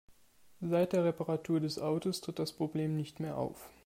Seit der Reparatur des Autos tritt das Problem nicht mehr auf.